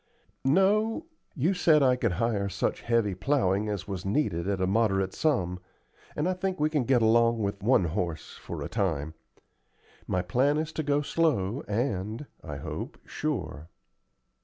"No; you said I could hire such heavy plowing as was needed at a moderate sum, and I think we can get along with one horse for a time. My plan is to go slow, and, I hope, sure."